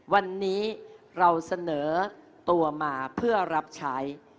วันนี้เราเสนอตัวมาเพื่อรับใช้